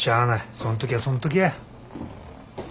そん時はそん時や。